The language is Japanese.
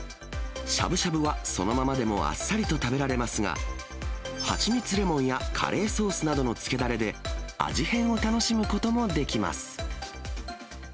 しゃぶしゃぶはそのままでもあっさりと食べられますが、ハチミツレモンやカレーソースなどのつけだれで、味変を楽しむこともできます。